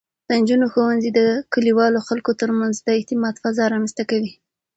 د نجونو ښوونځی د کلیوالو خلکو ترمنځ د اعتماد فضا رامینځته کوي.